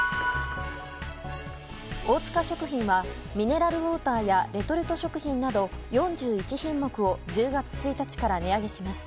大塚食品はミネラルウォーターやレトルト食品など４１品目を１０月１日から値上げします。